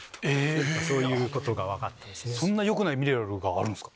よくないミネラルがあるんすか。